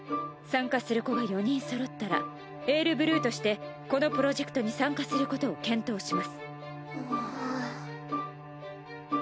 参加する子が４人そろったら「ＡｉＲＢＬＵＥ」としてこのプロジェクトに参加することを検討します。